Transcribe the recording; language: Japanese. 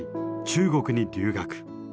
中国に留学。